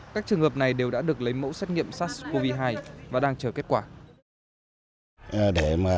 các trường hợp này đều đã được lấy mẫu xét nghiệm sars cov hai và đang chờ kết quả